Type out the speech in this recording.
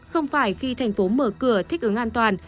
không phải khi thành phố mở cửa thích ứng an toàn